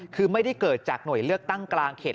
คือไม่ได้เกิดจากหน่วยเลือกตั้งกลางเขต